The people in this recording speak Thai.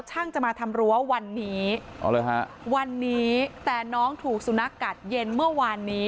ช่างจะมาทำรั้ววันนี้วันนี้แต่น้องถูกสุนัขกัดเย็นเมื่อวานนี้